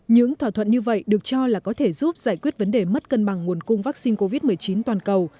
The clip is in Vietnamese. những thỏa thuận như vậy được cho là có thể giúp giải quyết vấn đề mất cân bằng nguồn cung vaccine covid một mươi chín toàn cầu